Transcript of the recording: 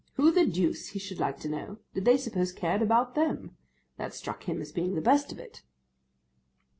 Who the deuce, he should like to know, did they suppose cared about them? that struck him as being the best of it.